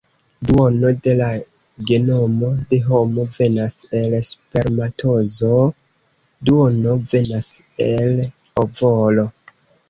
Duono de la genomo de homo venas el spermatozoo, duono venas el ovolo.